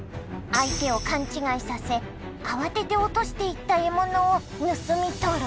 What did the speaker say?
相手を勘違いさせ慌てて落としていった獲物を盗み取る。